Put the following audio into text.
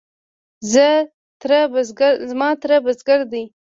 زما تره بزگر دی.